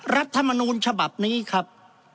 รัฐมนูลฉบับนี้ครับ